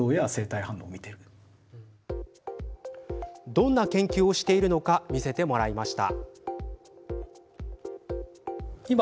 どんな研究をしているのか見せてもらいました。